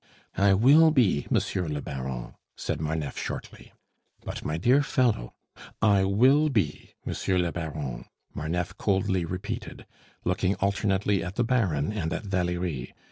"I will be, Monsieur le Baron," said Marneffe shortly. "But, my dear fellow " "I will be, Monsieur le Baron," Marneffe coldly repeated, looking alternately at the Baron and at Valerie.